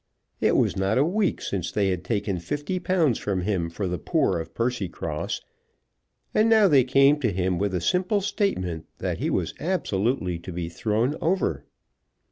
It was not a week since they had taken £50 from him for the poor of Percycross, and now they came to him with a simple statement that he was absolutely to be thrown over!